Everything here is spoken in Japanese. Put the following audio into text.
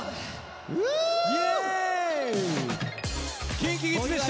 ＫｉｎＫｉＫｉｄｓでした！